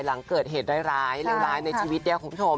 หลังเกิดเหตุร้ายร้ายร้ายในชีวิตเดียวของพี่ผม